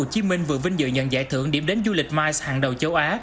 tp hcm vừa vinh dự nhận giải thưởng điểm đến du lịch mice hàng đầu châu á